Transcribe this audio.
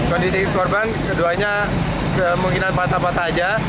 kondisi korban keduanya kemungkinan patah patah aja